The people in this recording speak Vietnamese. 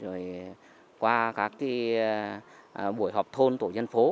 rồi qua các buổi họp thôn tổ dân phố